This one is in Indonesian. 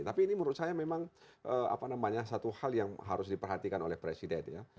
tapi ini menurut saya memang satu hal yang harus diperhatikan oleh presiden ya